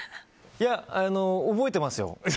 いや、覚えてますよ。